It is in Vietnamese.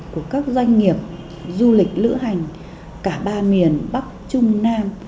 của các doanh nghiệp du lịch lữ hành cả ba miền bắc trung nam